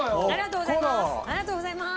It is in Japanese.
ありがとうございます。